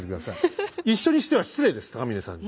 一緒にしては失礼です高峰さんに。